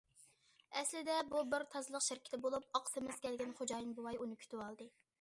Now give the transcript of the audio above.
ئەسلىدە بۇ بىر تازىلىق شىركىتى بولۇپ، ئاق سېمىز كەلگەن خوجايىن بوۋاي ئۇنى كۈتۈۋالدى.